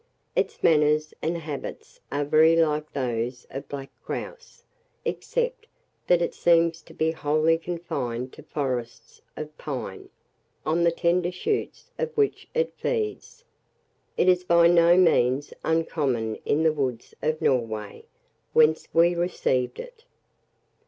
Its manners and habits are very like those of black grouse, except that it seems to be wholly confined to forests of pine, on the tender shoots of which it feeds. It is by no means uncommon in the woods of Norway, whence we received it.